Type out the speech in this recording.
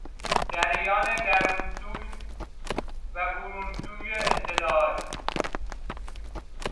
جریان درون سوی و برون سوی اطلاعات